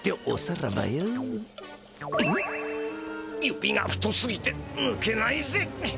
指が太すぎてぬけないぜ！